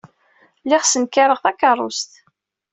Lliɣ ssenkareɣ takeṛṛust.